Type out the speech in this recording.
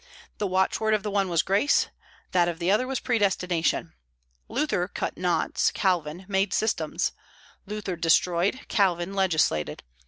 The watchword of the one was Grace; that of the other was Predestination. Luther cut knots; Calvin made systems. Luther destroyed; Calvin legislated.